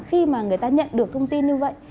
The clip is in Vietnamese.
khi mà người ta nhận được thông tin như vậy